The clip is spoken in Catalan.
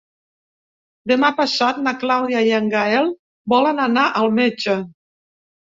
Demà passat na Clàudia i en Gaël volen anar al metge.